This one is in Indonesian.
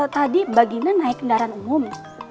tadi mbak gine naik kendaraan umum